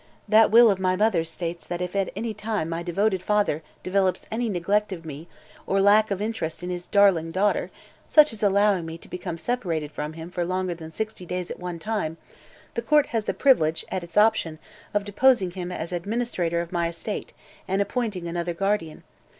That will of my mother's states that if at any time my devoted father develops any neglect of me, or lack of interest in his darling daughter, such as allowing me to become separated from him for longer than sixty days at one time, the court has the privilege, at its option, of deposing him as administrator of my estate and appointing another guardian.